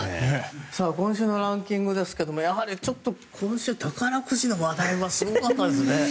今週のランキングですけど今週、宝くじの話題はすごかったですね。